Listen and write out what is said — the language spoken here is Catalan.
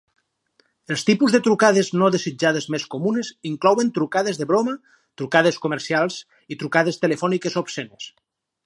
Els tipus de trucades no desitjades més comunes inclouen trucades de broma, trucades comercials i trucades telefòniques obscenes.